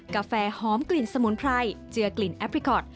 กาแฟหอมกลิ่นสมุนไพรเจือกลิ่นแอปพลิคอต